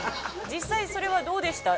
実際それはどうでした？